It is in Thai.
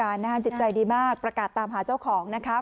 แต่ใจไม่พิการใจดีมากประกาศตามหาเจ้าของนะคะ